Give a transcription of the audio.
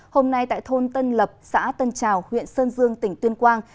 hôm nay tại thôn tân lập xã tân trào huyện sơn dương tỉnh tuyên quang